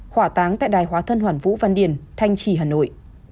hỏa táng tại đài hóa thân hoàn vũ văn điển thanh trì hà nội